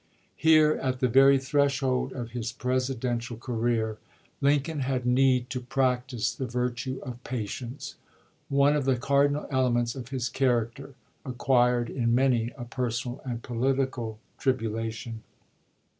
Here, at the very threshold of his Presidential career, Lincoln had need to practice the virtue of patience — one of the cardinal elements of his character, acquired in many a personal and polit ical tribulation.